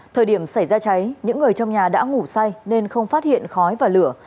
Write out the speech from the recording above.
thời điểm xảy ra cháy những người trong nhà đã ngủ say nên không phát hiện khói và lửa